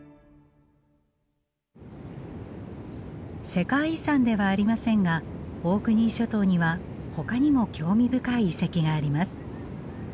世界遺産ではありませんがオークニー諸島にはほかにも興味深い遺跡があります。